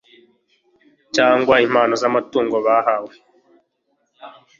cyangwa impano z'amatungo bahawe